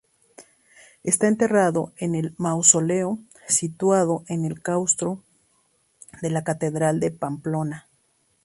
Está enterrado en un mausoleo situado en el claustro de la catedral de Pamplona.